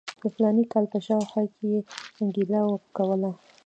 د فلاني کال په شاوخوا کې یې ګیله کوله.